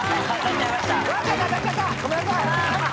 ごめんなさい！